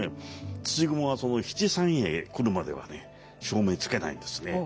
土蜘は七三へ来るまではね照明つけないんですね。